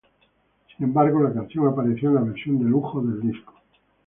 Sin embargo, la canción apareció en la versión de lujo del disco.